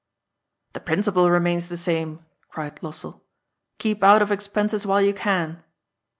"The principle remains the same," cried Lossell. " Keep out of expenses while you can."